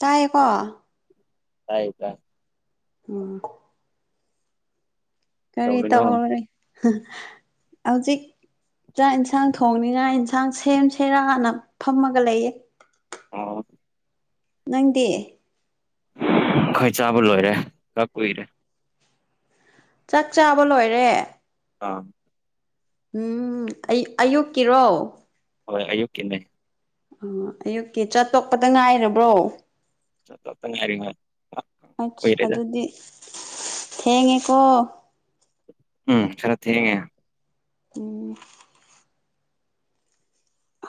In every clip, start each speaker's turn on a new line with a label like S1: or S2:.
S1: ꯇꯥꯏꯌꯦꯀꯣ
S2: ꯇꯥꯏꯌꯦ ꯇꯥꯏ
S1: ꯎꯝ꯫ ꯀꯔꯤ ꯇꯧ
S2: ꯀꯩꯗꯧꯔꯤꯅꯣ
S1: ꯍꯧꯔꯦ ꯍꯧꯖꯤꯛ ꯆꯥꯛ ꯌꯦꯟꯁꯥꯡ ꯊꯣꯡꯅꯤꯉꯥꯏ ꯌꯦꯟꯁꯥꯡ ꯁꯦꯝ ꯁꯤꯔꯅ ꯐꯝꯃꯒ ꯂꯩꯌꯦ
S2: ꯑꫭ
S1: ꯅꯪꯗꯤ
S2: ꯑꯩꯈꫭꯏ ꯆꯥꯕ ꯂꯣꯏꯔꯦ ꯈꯔꯥ ꯀꯨꯏꯔꯦ
S1: ꯆꯥꯛ ꯆꯥꯕ ꯂꯣꯏꯔꯦ
S2: ꯑꯥ
S1: ꯎꯝ ꯑ ꯑꯌꯨꯛꯀꯤꯔꯣ
S2: ꯍꯣꯏ ꯑꯌꯨꯛꯀꯤꯅꯦ
S1: ꯑ ꯑꯌꯨꯛꯀꯤ ꯆꯠꯇꯣꯛꯄꯗ ꯉꯥꯏꯔꯕ꯭ꯔꯣ
S2: ꯆꯇꯣꯛꯇ ꯉꯥꯏꯔꯤ ꯍꯣꯏ
S1: ꯑꯁ
S2: ꯑꯣꯏꯔꯦꯗ
S1: ꯑꯗꯨꯗꯤ ꯊꯦꯡꯉꯦꯀꯣ
S2: ꯎꯝ ꯈꯔ ꯊꯦꯡꯉꯦ
S1: ꯎꯝ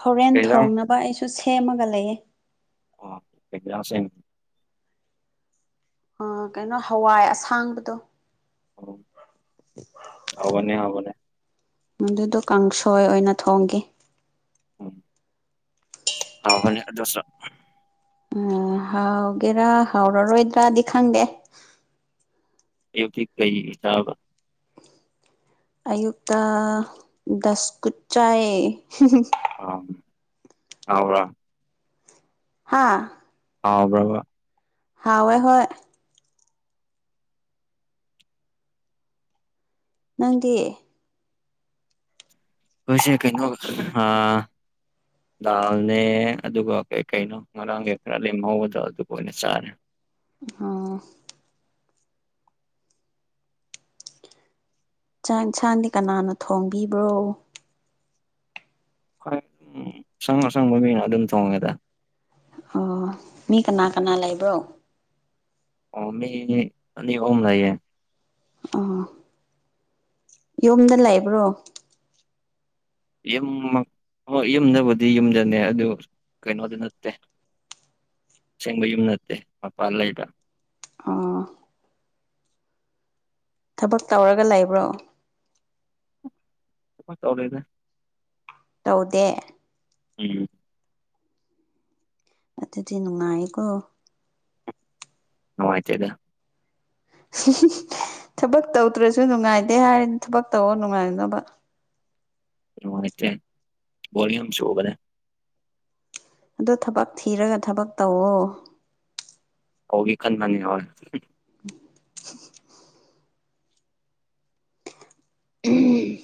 S1: ꯍꯣꯔꯦꯟ
S2: ꯀꯩ ꯏꯟꯖꯥꯡ
S1: ꯊꯣꯡꯅꯕ ꯑꯩꯁꯨ ꯁꯦꯝꯃꯒ ꯂꯩꯌꯦ
S2: ꯀꯩꯖꯥꯡꯁꯤꯟ
S1: ꯑ ꯀꯩꯅꯣ ꯍꯋꯥꯏ ꯑꯁꯥꯡꯕꯗꯣ
S2: [inaudible] ꯍꯥꯎꯕꯅꯦ ꯍꯥꯎꯕꯅꯦ
S1: ꯑꯗꯨꯗꯣ ꯀꯥꯡꯁꯣꯏ ꯑꯣꯏꯅ ꯊꯣꯡꯒꯦ
S2: ꯍꯥꯎꯕꯅꯦ ꯑꯗꯣꯁꯨ
S1: ꯎꯝ ꯍꯥꯎꯒꯦꯔꯥ ꯍꯥꯎꯔꯔꯣꯏꯗ꯭ꯔꯗꯤ ꯈꯪꯗꯦ
S2: ꯑꯌꯨꯛꯇꯤ ꯀꯩ ꯆꯥꯕ
S1: ꯑꯌꯨꯛꯇ ꯗꯁ ꯀꯨꯠ ꯆꯥꯏꯌꯦ
S2: ꯑꯣ ꯍꯥꯎꯕ꯭ꯔꯣ
S1: ꯍꯥꯥ
S2: ꯍꯥꯎꯕ꯭ꯔꯕ
S1: ꯍꯥꯎꯋꯦ ꯍꯣꯏ ꯅꯪꯗꯤ
S2: ꯈꯣꯏꯁꯦ ꯀꯩꯅꯣ ꯑꯥ ꯗꯥꯜꯅꯦ ꯑꯗꯨꯒ ꯀꯩ ꯀꯩꯅꯣ ꯉꯔꯥꯡꯒꯤ ꯈꯔ ꯂꯦꯝꯍꯧꯕꯗꯣ ꯑꯗꯨꯒ ꯑꯣꯏꯅ ꯆꯥꯔꯦ
S1: ꯑꯣ ꯆꯥꯛ ꯏꯟꯁꯥꯡꯗꯤ ꯀꯅꯥꯅ ꯊꯣꯡꯕꯤꯕ꯭ꯔꯣ
S2: ꯈꯣꯏ [unintelligible] ꯑꯁꯪ ꯑꯁꯪꯕ ꯃꯤꯅ ꯑꯗꯨꯝ ꯊꯣꯡꯉꯦꯗ
S1: ꯑꯣ ꯃꯤ ꯀꯅꯥ ꯀꯅꯥ ꯂꯩꯕ꯭ꯔꯣ
S2: ꯑꯣ ꯃꯤꯅꯤ ꯑꯅꯤ ꯑꯍꯨꯝ ꯂꯩꯌꯦ
S1: ꯑꯣ ꯌꯨꯝꯗ ꯂꯩꯕ꯭ꯔꯣ
S2: ꯌꯨꯝꯃꯛ ꯍꯣꯏ ꯌꯨꯝꯗꯕꯨꯗꯤ ꯌꯨꯝꯗꯅꯦ ꯑꯗꯨ ꯀꯩꯅꯣꯗꯤ ꯅꯠꯇꯦ ꯑꯁꯦꯡꯕ ꯌꯨꯝ ꯅꯠꯇꯦ ꯃꯄꯥꯟ ꯂꯩꯕ
S1: ꯑꯥ ꯊꯕꯛ ꯇꯧꯔꯒ ꯂꯩꯕ꯭ꯔꯣ
S2: ꯊꯕꯛ ꯇꯧꯗꯦꯗ
S1: ꯇꯧꯗꯦ
S2: ꯎꯝ
S1: ꯑꯗꯨꯗꯤ ꯅꯨꯡꯉꯥꯏꯀꯣ
S2: ꯅꯨꯡꯉꯥꯏꯇꯦꯗ
S1: ꯊꯕꯛ ꯇꯧꯗ꯭ꯔꯁꯨ ꯅꯨꯡꯉꯥꯏꯇꯦ ꯍꯥꯏꯔ ꯊꯕꯛ ꯇꯧꯑꯣ ꯅꯨꯡꯉꯥꯏꯅꯕ
S2: ꯅꯨꯡꯉꯥꯏꯇꯦ ꯕꯣꯔꯤꯡ ꯌꯥꯝ ꯆꯨꯕꯅꯦ
S1: ꯑꯗꯣ ꯊꯕꯛ ꯊꯤꯔꯒ ꯊꯕꯛ ꯇꯧꯋꯣ
S2: ꯇꯧꯒꯦ ꯈꯟꯕꯅꯦ ꯍꯣꯏ
S1: [unintelligible] ꯎꯝ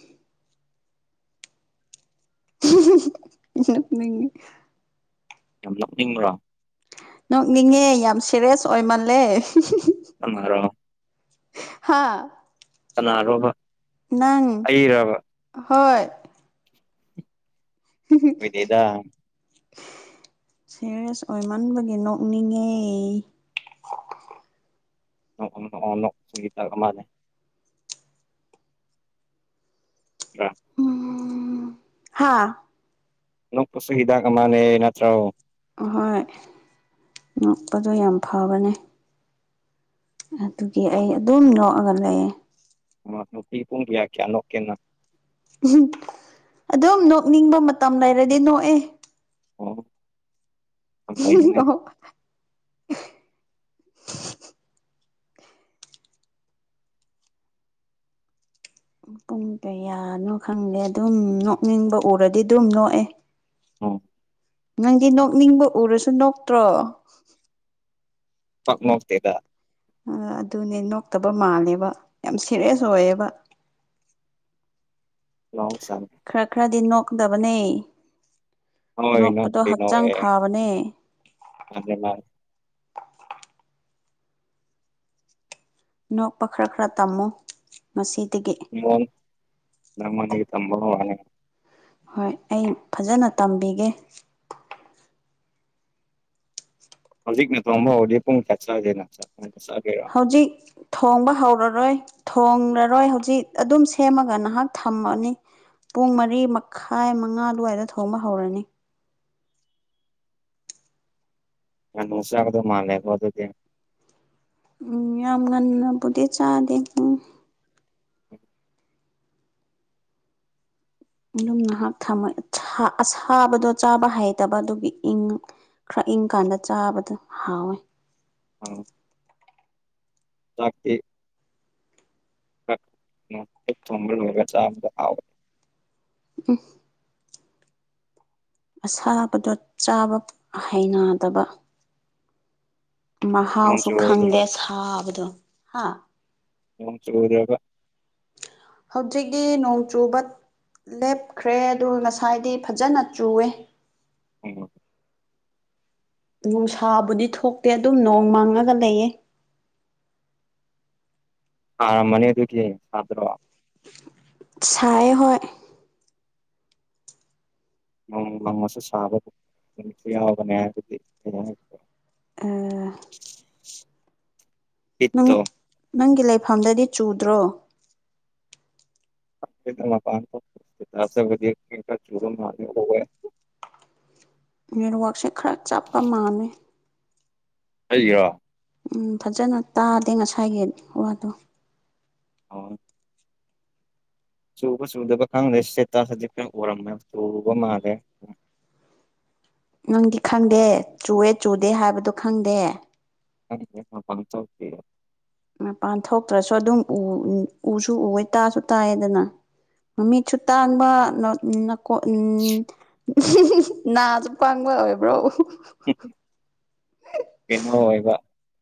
S1: ꯅꯣꯛꯅꯤꯡꯉꯦ
S2: ꯌꯥꯝ ꯅꯣꯛꯅꯤꯡꯕ꯭ꯔꯣ
S1: ꯅꯣꯛꯅꯤꯡꯉꯦ ꯌꯥꯝ ꯁꯦꯔꯤꯌꯁ ꯑꯣꯏꯃꯜꯂꯦ
S2: ꯅꯪꯅꯔꯣ
S1: ꯍꯥꯥ
S2: ꯀꯅꯥꯔꯣꯕ
S1: ꯅꯪ
S2: ꯑꯩꯔꯕ
S1: ꯍꯣꯏ
S2: ꯑꯣꯏꯗꯦꯗ
S1: ꯁꯦꯔꯤꯌꯁ ꯑꯣꯏꯃꯟꯕꯒꯤ ꯅꯣꯛꯅꯤꯡꯉꯦ
S2: ꯅꯣꯛꯎ ꯅꯣꯛꯑꯣ ꯅꯣꯛ ꯁꯤꯒꯤꯇꯥꯛ ꯑꯃꯅꯦ [unintelligible]
S1: ꯍꯥꯥ
S2: ꯅꯣꯛꯄꯁꯨ ꯍꯤꯗꯥꯛ ꯑꯃꯅꯦ ꯅꯠꯇ꯭ꯔꯣ
S1: ꯑꯍꯣꯏ ꯅꯣꯛꯄꯗꯣ ꯌꯥꯝ ꯐꯥꯕꯅꯦ ꯑꯗꯨꯒꯤ ꯑꯩ ꯑꯗꯨꯝ ꯅꯣꯛꯑꯒ ꯂꯩꯌꯦ
S2: ꯃꯥ ꯅꯨꯄꯤ ꯄꯨꯡ ꯀ꯭ꯌꯥ ꯀꯌꯥ ꯅꯣꯛꯀꯦ ꯅ
S1: [unintelligible] ꯑꯗꯨꯝ ꯅꯣꯛꯅꯤꯡꯕ ꯃꯇꯝ ꯂꯩꯔꯗꯤ ꯅꯣꯛꯑꯦ
S2: ꯑꯣ ꯌꯥꯝ ꯐꯩꯅꯦ
S1: ꯄꯨꯡ ꯀꯌꯥꯅꯣ ꯈꯪꯗꯦ ꯑꯗꯨꯝ ꯅꯣꯛꯅꯤꯡꯕ ꯎꯔꯗꯤ ꯗꯨꯝ ꯅꯣꯛꯑꯦ
S2: ꯎꯝ
S1: ꯅꯪꯗꯤ ꯅꯣꯛꯅꯤꯡꯕ ꯎꯔꯁꯨ ꯅꯣꯛꯇ꯭ꯔꯣ
S2: ꯄꯥꯛ ꯅꯣꯛꯇꯦꯗ
S1: ꯑꯥ ꯑꯗꯨꯅꯦ ꯅꯣꯛꯇꯕ ꯃꯥꯜꯂꯦꯕ ꯌꯥꯝ ꯁꯦꯔꯤꯌꯁ ꯑꯣꯏꯌꯦꯕ
S2: ꯃꯍꯧꯁꯥꯅꯦ
S1: ꯈꯔ ꯈꯔꯗꯤ ꯅꯣꯛꯀꯗꯕꯅꯦ
S2: ꯍꯣꯏ
S1: ꯅꯣꯛꯄꯗꯣ
S2: ꯅꯣꯛꯄꯨꯗꯤ
S1: ꯍꯛꯆꯥꯡ
S2: ꯅꯣꯛꯑꯦ
S1: ꯐꯕꯅꯦ
S2: [unintelligible]
S1: ꯅꯣꯛꯄ ꯈꯔ ꯈꯔ ꯇꯝꯃꯣ ꯉꯁꯤꯗꯒꯤ
S2: ꯃꯣꯟ ꯅꯪꯉꯣꯟꯗꯒꯤ ꯇꯝꯕ ꯍꯧꯔꯅꯤ
S1: ꯍꯣꯏ ꯑꯩ ꯐꯖꯟꯅ ꯇꯝꯕꯤꯒꯦ
S2: ꯍꯧꯖꯤꯛꯅ ꯊꯣꯡꯕ ꯍꯧꯔꯗꯤ ꯄꯨꯡ ꯀꯌꯥ ꯆꯥꯒꯦꯔꯥ ꯆ ꯑꯦ ꯆꯥꯒꯦꯔꯥ
S1: ꯍꯧꯖꯤꯛ ꯊꯣꯡꯕ ꯍꯧꯔꯔꯣꯏ ꯊꯣꯡꯂꯔꯣꯏ ꯍꯧꯖꯤꯛ ꯑꯗꯨꯝ ꯁꯦꯝꯃꯒ ꯅꯍꯥꯛ ꯊꯝꯃꯅꯤ ꯄꯨꯡ ꯃꯔꯤ ꯃꯈꯥꯏ ꯃꯉꯥ ꯑꯗꯨꯋꯥꯏꯗ ꯊꯣꯡꯕ ꯍꯧꯔꯅꯤ
S2: ꯉꯥꯅꯨ ꯆꯥꯒꯗꯕ ꯃꯜꯂꯦꯀꯣ ꯑꯗꯨꯗꯤ
S1: ꯎꯝ ꯌꯥꯝ ꯉꯟꯅꯕꯨꯗꯤ ꯆꯥꯗꯦ ꯍꯨꯝ ꯑꯗꯨꯨꯝ ꯉꯍꯥꯛ ꯊꯝꯃ ꯊꯥ ꯑꯁꯥꯕꯗꯣ ꯆꯥꯕ ꯍꯩꯇꯕ ꯑꯗꯨꯒꯤ ꯏꯪꯉ ꯈ꯭ꯔ ꯏꯪ ꯀꯥꯟꯗ ꯆꯥꯕꯗꯨ ꯍꯥꯎꯋꯦ
S2: ꯑꯥꯎ ꯆꯥꯛꯇꯤ ꯑꯛ ꯅꯣꯡ ꯑꯛꯊꯣꯡꯕ ꯂꯣꯏꯔꯒ ꯆꯥꯕꯗꯣ ꯍꯥꯎꯕꯅꯦ
S1: [unintelligible] ꯑꯁꯥꯕꯗꯣ ꯆꯥꯕ ꯍꯩꯅꯗꯕ
S2: ꯅꯣꯡ
S1: ꯃꯍꯥꯎꯁꯨ
S2: ꯆꯨꯔꯗꯅ
S1: ꯈꯪꯗꯦ ꯁꯥꯕꯗꯣ ꯍꯥ
S2: ꯅꯣꯡ ꯆꯨꯗ꯭ꯔꯒ
S1: ꯍꯧꯖꯤꯛꯗꯤ ꯅꯣꯡ ꯆꯨꯕꯠ ꯂꯦꯞꯈ꯭ꯔꯦ ꯑꯗꯨ ꯉꯁꯥꯏꯗꯤ ꯐꯖꯟꯅ ꯆꯨꯋꯦ
S2: [unintelligible]
S1: ꯅꯨꯡꯁꯥꯕꯨꯗꯤ ꯊꯣꯛꯇꯦ ꯑꯗꯨꯝ ꯅꯣꯡ ꯃꯪꯉꯒ ꯂꯩꯌꯦ
S2: ꯑꯥꯔꯝꯃꯅꯤ ꯑꯗꯨꯗꯤ ꯁꯥꯗ꯭ꯔꯣ
S1: ꯁꯥꯏꯌꯦ ꯍꯣꯏ
S2: ꯎꯝ ꯅꯣꯡꯃꯁꯨ ꯁꯥꯕ ꯅꯨꯃꯤꯠꯁꯨ ꯌꯥꯎꯕꯅꯦ ꯍꯥꯏꯕꯗꯤ ꯀꯃꯥꯏ ꯍꯥꯏꯗꯨꯔꯣ [unintelligible]
S1: ꯅꯪ
S2: ꯍꯤꯠꯇꯣ
S1: ꯅꯪꯒꯤ ꯂꯩꯐꯝꯗꯗꯤ ꯆꯨꯗ꯭ꯔꯣ
S2: ꯑꯩꯗꯤ ꯃꯄꯥꯟ ꯊꯣꯛ [unintelligible] ꯆꯠꯄꯗꯤ ꯑꯩꯗꯤ ꯈꯔꯥ ꯊꯨꯕ ꯃꯟꯒꯦ ꯇꯧꯋꯦ
S1: ꯅꯦꯠꯋꯥꯛꯁꯦ ꯈꯔ ꯆꯞꯄ ꯃꯥꯟꯅꯦ
S2: ꯑꯩꯒꯤꯔꯣ
S1: ꯎꯝ ꯐꯖꯟꯅ ꯇꯥꯗꯦ ꯉꯁꯥꯏꯒꯤ ꯋꯥꯗꯣ
S2: ꯑꯣ ꯆꯨꯕ ꯆꯨꯗꯕ ꯈꯪꯗꯦ ꯁꯦꯠꯇꯥꯁꯗꯗꯤ ꯈꯔ ꯎꯔꯝꯃꯦ ꯆꯨꯕ ꯃꯥꯜꯂꯦ
S1: ꯅꯪꯗꯤ ꯈꯪꯗꯦ ꯆꯨꯋꯦ ꯆꯨꯗꯦ ꯍꯥꯏꯕꯗꯣ ꯈꯪꯗꯦ
S2: [unintelligible] ꯃꯄꯥꯟ ꯊꯣꯛꯇꯦ
S1: ꯃꯄꯥꯟ ꯊꯣꯛꯇ꯭ꯔꯁꯨ ꯑꯗꯨꯝ ꯎ ꯎꯁꯨ ꯎꯋꯦ ꯇꯥꯁꯨ ꯇꯥꯏꯌꯦꯗꯅ ꯃꯃꯤꯠꯁꯨ ꯇꯥꯡꯕ ꯅꯥ ꯎꯝ ꯀꯣ ꯎꯝ ꯅꯥꯁꯨ ꯄꯪꯕ ꯑꯣꯏꯕ꯭ꯔꯣ
S2: ꯀꯩꯅꯣ ꯑꯣꯏꯕ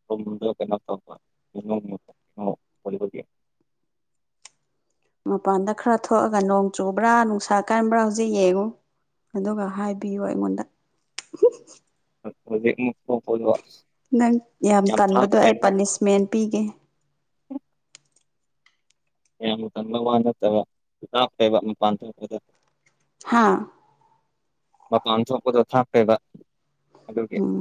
S2: ꯊꯨꯝꯗꯣ ꯀꯩꯅꯣ ꯇꯧꯕ [unintelligible] ꯑꯣꯏꯕꯒꯤ
S1: ꯃꯄꯥꯟꯗ ꯈꯔ ꯊꯣꯛꯑꯒ ꯅꯣꯡ ꯆꯨꯕ꯭ꯔꯥ ꯅꯨꯡꯁꯥ ꯀꯟꯕ꯭ꯔꯥ ꯍꯧꯖꯤꯛ ꯌꯦꯡꯉꯨ ꯑꯗꯨꯒ ꯍꯥꯏꯕꯤꯌꯨ ꯑꯩꯉꯣꯟꯗ
S2: ꯍꯣꯏ ꯍꯨꯖꯤꯛꯃꯨꯛ ꯊꯣꯛꯄꯗꯣ ꯏꯁ
S1: ꯅꯪ ꯌꯥꯝ ꯇꯟꯕꯗꯣ ꯑꯩ ꯄꯥꯅꯤꯁꯃꯦꯟ ꯄꯤꯒꯦ
S2: ꯌꯥꯝꯅ ꯇꯟꯕꯩ ꯋꯥ ꯅꯠꯇꯕ ꯂꯥꯞꯄꯦꯕ ꯃꯄꯥꯟ ꯊꯣꯛꯄꯗꯣ
S1: ꯍꯥꯥ
S2: ꯃꯄꯥꯟ ꯊꯣꯛꯄꯗꯣ ꯊꯥꯞꯄꯦꯕ ꯑꯗꯨꯒꯤ
S1: ꯎꯝ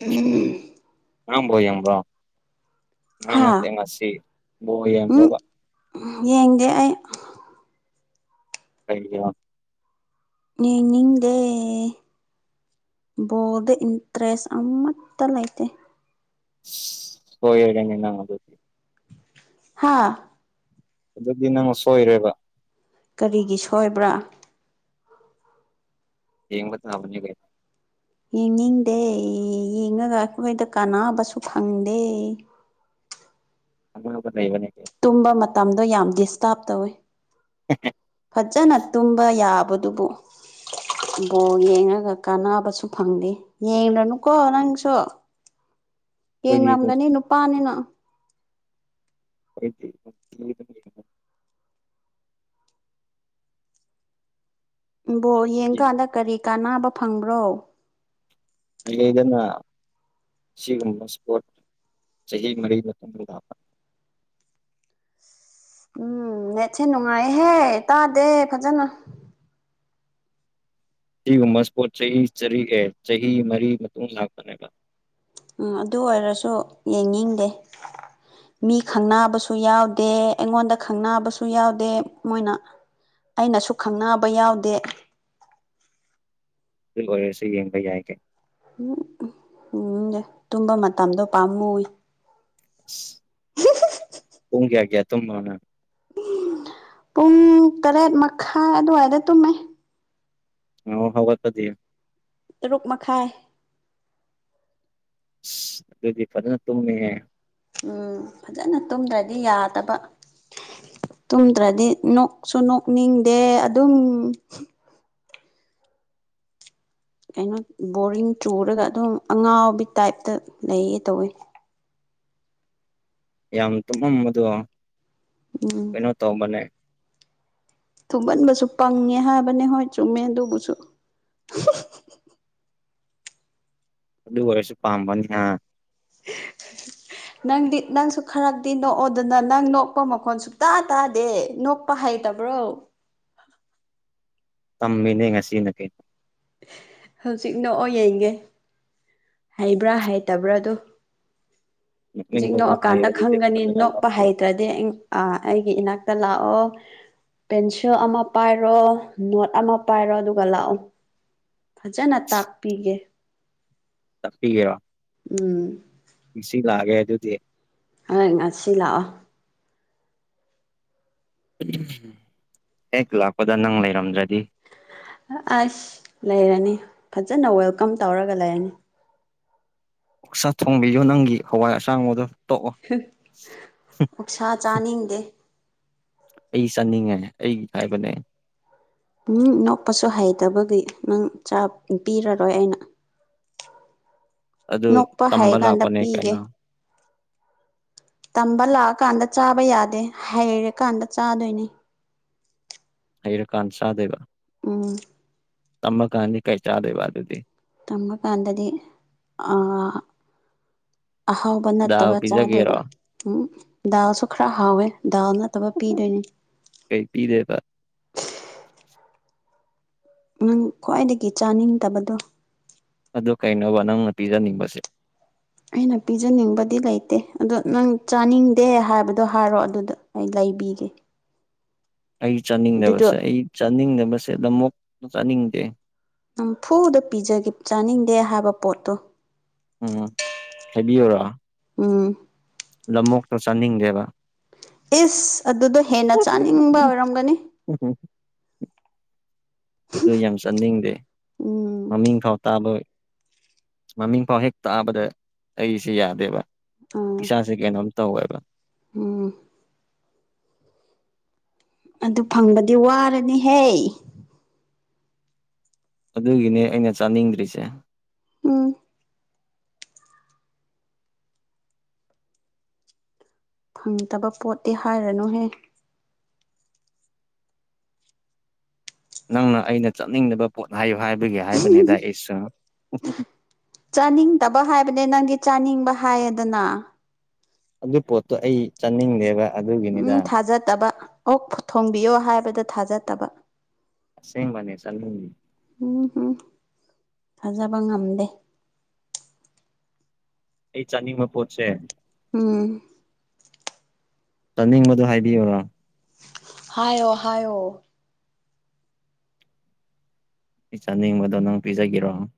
S1: ꯎꯝ
S2: ꯉꯔꯥꯡ ꯕꯣꯜ ꯌꯦꯝꯕ꯭ꯔꯣ ꯉꯔꯥꯡ
S1: ꯍꯥ
S2: ꯅꯠꯇꯦ ꯉꯁꯤ ꯕꯣꯜ ꯌꯦꯡꯕ꯭ꯔꯣꯕ
S1: ꯎꯝ ꯌꯦꯡꯗꯦ ꯑꯩ
S2: ꯀꯩꯒꯤꯔꯣ
S1: ꯌꯦꯡꯅꯤꯡꯗꯦ ꯕꯣꯜꯗ ꯏꯟꯇ꯭ꯔꯦꯁ ꯑꯃꯠꯇ ꯂꯩꯇꯦ
S2: ꯁꯣꯏꯔꯦꯅꯦ ꯅꯪ ꯑꯗꯨꯗꯤ
S1: ꯍꯥꯥ
S2: ꯑꯗꯨꯗꯤ ꯅꯪ ꯁꯣꯏꯔꯦꯕ
S1: ꯀꯔꯤꯒꯤ ꯁꯣꯏꯕ꯭ꯔꯥ
S2: ꯌꯦꯡꯕ ꯇꯥꯕꯅꯤ ꯀꯩ
S1: ꯌꯦꯡꯅꯤꯡꯗꯦ ꯌꯦꯡꯉꯒ ꯑꯩꯈꯣꯏꯗ ꯀꯥꯟꯅꯕꯁꯨ ꯐꯪꯗꯦ
S2: ꯀꯥꯟꯅꯕ ꯂꯩꯕꯅꯦ ꯍꯦ
S1: ꯇꯨꯝꯕ ꯃꯇꯝꯗꯣ ꯌꯥꯝ ꯗꯤꯁꯇꯥꯔꯕ ꯇꯧꯋꯦ
S2: [unintelligible]
S1: ꯐꯖꯅ ꯇꯨꯝꯕ ꯌꯥꯕꯗꯨꯕꯨ ꯕꯣꯜ ꯌꯦꯡꯉꯒ ꯀꯥꯟꯅꯕꯁꯨ ꯐꯪꯗꯦ ꯌꯦꯡꯂꯅꯨꯀꯣ ꯅꯪꯁꯨ
S2: [unintelligible]
S1: ꯌꯦꯡꯔꯝꯒꯅꯤ ꯅꯨꯄꯥꯅꯤꯅ
S2: [unintelligible]
S1: ꯎꯝ ꯕꯣꯜ ꯌꯦꯡꯀꯥꯟꯗ ꯀꯔꯤ ꯀꯥꯅꯕ ꯐꯪꯕ꯭ꯔꯣ
S2: ꯂꯩꯗꯅ ꯁꯤꯒꯨꯝꯕ ꯏꯁꯄꯣꯔꯠ ꯆꯍꯤ ꯃꯔꯤ ꯃꯇꯨꯡꯗ ꯂꯥꯛꯄ
S1: ꯎꯝ ꯅꯦꯠꯁꯦ ꯅꯨꯡꯉꯥꯏꯍꯦ ꯇꯥꯗꯦ ꯐꯖꯅ
S2: ꯁꯤꯒꯨꯝꯕꯁ꯭ꯄꯣꯠ ꯆꯍꯤ ꯆꯔꯤ ꯑꯦ ꯃꯔꯤ ꯃꯇꯨꯡ ꯂꯥꯛꯄꯅꯦꯕ
S1: ꯎꯝ ꯑꯗꯨ ꯑꯣꯏꯔꯁꯨ ꯌꯦꯡꯅꯤꯡꯗꯦ ꯃꯤ ꯈꯪꯅꯕꯁꯨ ꯌꯥꯎꯗꯦ ꯑꯩꯉꯣꯟꯗ ꯈꯪꯅꯕꯁꯨ ꯌꯥꯎꯗꯦ ꯃꯣꯏꯅ ꯑꯩꯅꯁꯨ ꯈꯪꯅꯕ ꯌꯥꯎꯗꯦ
S2: ꯑꯗꯨ ꯑꯣꯏꯔꯁꯨ ꯌꯦꯡꯕ ꯌꯥꯏ ꯀꯩ
S1: ꯎꯝ ꯌꯦꯡꯅꯤꯡꯗꯦ ꯇꯨꯝꯕ ꯃꯇꯝꯗꯣ ꯄꯥꯝꯃꯨꯏ
S2: [inaudible] ꯄꯨꯡ ꯀꯌꯥ ꯀꯌꯥ ꯇꯨꯝꯕꯔꯣ ꯅꯪ
S1: ꯄꯨꯡ ꯇꯔꯦꯠ ꯃꯈꯥꯏ ꯑꯗꯨꯋꯥꯏꯗ ꯇꯨꯝꯃꯦ
S2: ꯑꯣ ꯍꯧꯒꯠꯄꯗꯤ
S1: ꯇꯔꯨꯛ ꯃꯈꯥꯏ
S2: ꯑꯗꯨꯗꯤ ꯐꯖꯅ ꯇꯨꯝꯃꯦꯍꯦ
S1: ꯎꯝ ꯐꯖꯅ ꯇꯨꯝꯗ꯭ꯔꯗꯤ ꯌꯥꯗꯕ ꯇꯨꯝꯗ꯭ꯔꯗꯤ ꯅꯣꯛꯁꯨ ꯅꯣꯛꯅꯤꯡꯗꯦ ꯑꯗꯨꯝ ꯀꯩꯅꯣ ꯕꯣꯔꯤꯡ ꯆꯨꯔꯒ ꯑꯗꯨꯝ ꯑꯉꯥꯎꯕꯤ ꯇꯥꯏꯞꯇ ꯂꯩꯌꯦ ꯇꯧꯋꯤ
S2: ꯌꯥꯝ ꯇꯨꯝꯃꯝꯕꯗꯣ
S1: ꯎꯝ
S2: ꯀꯩꯅꯣ ꯇꯧꯕꯅꯦ
S1: ꯊꯨꯝꯃꯟꯕꯁꯨ ꯄꯪꯉꯦ ꯍꯥꯏꯕꯅꯦ ꯍꯣꯏ ꯆꯨꯝꯃꯦ ꯑꯗꯨꯕꯨꯁꯨ
S2: ꯑꯗꯨ ꯑꯣꯏꯔꯁꯨ ꯄꯥꯝꯕꯅꯤ ꯍꯥ
S1: ꯅꯪꯗꯤ ꯅꯪꯁꯨ ꯈꯔꯗꯤ ꯅꯣꯛꯑꯣꯗꯅ ꯅꯪ ꯅꯣꯛꯄ ꯃꯈꯣꯟ ꯁꯨꯛꯇ ꯇꯥꯗꯦ ꯅꯣꯛ ꯄ ꯍꯩꯇꯕ꯭ꯔꯣ
S2: ꯇꯝꯃꯤꯅꯦ ꯉꯁꯤꯗꯒꯤ
S1: ꯍꯧꯖꯤꯛ ꯅꯣꯛꯑꯣ ꯌꯦꯡꯒꯦ ꯍꯩꯕ꯭ꯔꯥ ꯍꯩꯇꯕ꯭ꯔꯥ ꯑꯗꯨ ꯍꯧꯖꯤꯛ
S2: ꯅꯣꯛꯅꯤꯡꯕ ꯋꯥ ꯍꯥꯏꯌꯣ
S1: ꯅꯣꯛꯑꯀꯥꯟꯗ
S2: ꯑꯗꯨꯗꯤ
S1: ꯈꯪꯒꯅꯤ
S2: ꯐꯖꯅ
S1: ꯅꯣꯛꯄ
S2: ꯅꯣꯛꯀꯦ
S1: ꯍꯩꯇ꯭ꯔꯗꯤ ꯑꯥ ꯑꯩꯒꯤ ꯏꯅꯥꯛꯇ ꯂꯥꯛꯑꯣ ꯄꯦꯟꯁꯤꯜ ꯑꯃ ꯄꯥꯏꯔꯣ ꯅꯣꯠ ꯑꯃ ꯄꯥꯏꯔꯣ ꯑꯗꯨꯒ ꯂꯥꯛꯑꯣ ꯐꯖꯅ ꯇꯥꯛꯄꯤꯒꯦ
S2: ꯇꯥꯛꯄꯤꯒꯦꯔꯣ
S1: ꯎꯝ
S2: ꯉꯁꯤ ꯂꯥꯛꯑꯒꯦ ꯑꯗꯨꯗꯤ
S1: ꯍꯣꯏ ꯉꯁꯤ ꯂꯥꯛꯑꯣ
S2: ꯍꯦꯛ ꯂꯥꯛꯄꯗ ꯅꯪ ꯂꯩꯔꯝꯗ꯭ꯔꯗꯤ
S1: ꯑꯁ ꯂꯩꯔꯅꯤ ꯐꯖꯅ ꯋꯦꯜꯀꯝ ꯇꯧꯔꯒ ꯂꯩꯔꯅꯤ
S2: ꯑꯣꯛꯁꯥ ꯊꯣꯡꯕꯤꯌꯣ ꯅꯪꯒꯤ ꯍꯋꯥꯏ ꯑꯁꯥꯡꯕꯗꯣ ꯇꯣꯛ ꯑꯣ ꯍꯨ
S1: ꯑꯣꯛꯁꯥ
S2: ꯍꯨ
S1: ꯆꯥꯅꯤꯡꯗꯦ
S2: ꯑꯩ ꯆꯥꯅꯤꯡꯉꯦ ꯑꯩꯒꯤ ꯍꯥꯏꯕꯅꯦ
S1: ꯎꯪ ꯅꯣꯛꯄꯁꯨ ꯍꯩꯇꯕꯒꯤ ꯅꯪ ꯆꯥꯛ ꯄꯤꯔꯔꯣꯏ ꯑꯩꯅ
S2: ꯑꯗꯨ
S1: ꯅꯣꯛꯄ
S2: ꯇꯝꯕ
S1: ꯍꯩꯀꯥꯟꯗ
S2: ꯂꯥꯛꯄꯅꯦ
S1: ꯄꯤꯒꯦ
S2: ꯀꯩꯅꯣ
S1: ꯇꯝꯕ ꯂꯥꯛꯑꯀꯥꯟꯗ ꯆꯥꯕ ꯌꯥꯗꯦ ꯍꯩꯔꯀꯥꯟꯗ ꯆꯥꯗꯣꯏꯅꯦ
S2: ꯍꯩꯔꯀꯥꯟ ꯆꯥꯗꯣꯏꯕ
S1: ꯎꯝ
S2: ꯇꯝꯃꯀꯥꯟꯗꯤ ꯀꯩ ꯆꯥꯗꯣꯏꯕ ꯑꯗꯨꯗꯤ
S1: ꯇꯝꯃꯀꯥꯟꯗꯗꯤ ꯑ ꯑꯍꯥꯎ ꯄ
S2: ꯗꯥꯜ
S1: ꯅꯠꯇꯕ ꯆꯥꯗꯣꯏꯕ
S2: ꯄꯤꯖꯒꯦꯔꯣ
S1: ꯎꯝ ꯗꯥꯜꯁꯨ ꯈꯔ ꯍꯥꯎꯋꯦ ꯗꯥꯜ ꯅꯠꯇꯕ ꯄꯤꯗꯣꯏꯅꯤ
S2: ꯀꯩ ꯄꯤꯗꯣꯏꯕ
S1: ꯅꯪ ꯈ꯭ꯋꯥꯏꯗꯒꯤ ꯆꯥꯅꯤꯡꯗꯕꯗꯣ
S2: ꯑꯗꯨ ꯀꯩꯅꯣꯕ ꯅꯪꯅ ꯄꯤꯖꯅꯤꯡꯕꯁꯦ
S1: ꯑꯩꯅ ꯄꯤꯖꯅꯤꯡꯕꯗꯤ ꯂꯩꯇꯦ ꯑꯗꯣ ꯅꯪ ꯆꯥꯅꯤꯡꯗꯦ ꯍꯥꯏꯕꯗꯣ ꯍꯥꯏꯔꯣ ꯑꯗꯨꯗ ꯑꯩ ꯂꯩꯕꯤꯒꯦ
S2: ꯑꯩ
S1: ꯑꯗꯨꯗꯣ
S2: ꯆꯥꯅꯤꯡꯗꯕꯁꯦ ꯑꯩ ꯆꯥꯅꯤꯡꯗꯕꯁꯦ ꯂꯝꯃꯣꯛ ꯆꯥꯅꯤꯡꯗꯦ
S1: ꯅꯝꯐꯨꯗ ꯄꯤꯖꯒꯦ ꯆꯥꯅꯤꯡꯗꯦ ꯍꯥꯏꯕ ꯄꯣꯠꯇꯣ
S2: ꯎꯝ ꯍꯥꯏꯕꯤꯌꯨꯔꯣ
S1: ꯎꯝ
S2: ꯂꯝꯃꯣꯛꯇꯣ ꯆꯥꯅꯤꯡꯗꯦꯕ
S1: ꯏꯁ ꯑꯗꯨꯗꯣ ꯍꯦꯟꯅ ꯆꯥꯅꯤꯡꯕ ꯑꯣꯏꯔꯝꯒꯅꯤ
S2: [unintelligible] ꯑꯗꯨ ꯌꯥꯝ ꯆꯠꯅꯤꯡꯗꯦ
S1: ꯎꯝ
S2: ꯃꯃꯤꯡ ꯐꯥꯎ ꯇꯥꯕꯣꯏ ꯃꯃꯤꯡ ꯐꯥꯎ ꯍꯦꯛ ꯇꯥꯕꯗ ꯑꯩꯁꯦ ꯌꯥꯗꯦꯕ
S1: ꯑꯥ
S2: ꯏꯁꯥꯁꯦ ꯀꯩꯅꯣꯝ ꯇꯧꯋꯦꯕ
S1: ꯎꯝ ꯑꯗꯨ ꯐꯪꯕꯗꯤ ꯋꯥꯔꯅꯤꯍꯦ
S2: ꯑꯗꯨꯒꯤꯅꯦ ꯑꯩꯅ ꯆꯥꯅꯤꯡꯗ꯭ꯔꯤꯁꯦ
S1: ꯎꯝ ꯐꯪꯗꯕ ꯄꯣꯠꯇꯤ ꯍꯥꯏꯔꯅꯨꯍꯦ
S2: ꯅꯪꯅ ꯑꯩꯅ ꯆꯠꯅꯤꯡꯗꯕ ꯄꯣꯠ ꯍꯥꯏꯌꯨ ꯍꯥꯏꯕꯒꯤ ꯍꯥꯏꯕꯅꯤꯗ ꯑꯩꯁꯨ
S1: ꯆꯥꯅꯤꯡꯗꯕ ꯍꯥꯏꯕꯅꯦ ꯅꯪꯒꯤ ꯆꯥꯅꯤꯡꯕ ꯍꯥꯏꯌꯦꯗꯅ
S2: ꯑꯗꯨ ꯄꯣꯠꯇꯣ ꯑꯩ ꯆꯠꯅꯤꯡꯗꯦꯕ
S1: ꯎꯝ ꯊꯥꯖꯗꯕ ꯑꯣ ꯊꯣꯡꯕꯤꯌꯣ ꯍꯥꯏꯕꯗ ꯊꯥꯖꯗꯕ
S2: ꯑꯁꯦꯡꯕꯅꯦ ꯆꯥꯅꯤꯡꯉꯤ
S1: ꯎꯝ ꯍꯝ ꯊꯥꯖꯕ ꯉꯝꯗꯦ
S2: ꯑꯩ ꯆꯥꯅꯤꯡꯕ ꯄꯣꯠꯁꯦ
S1: ꯎꯝ
S2: ꯆꯥꯅꯤꯡꯕꯗꯨ ꯍꯥꯏꯕꯤꯌꯨꯔꯣ
S1: ꯍꯥꯏꯌꯣ ꯍꯥꯏꯌꯣ
S2: ꯑꯩ ꯆꯥꯅꯤꯡꯕꯗꯣ ꯅꯪ ꯄꯤꯖꯒꯤꯔꯣ